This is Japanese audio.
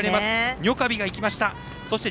ニョカビが行きました。